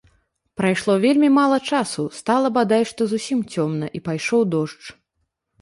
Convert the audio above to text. Прайшло вельмі мала часу, стала бадай што зусім цёмна, і пайшоў дождж.